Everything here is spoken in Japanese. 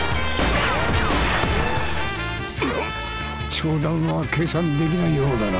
⁉跳弾は計算できないようだな。